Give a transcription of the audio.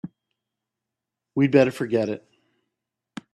We'd better forget it.